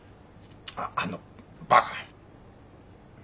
あっあのバカ。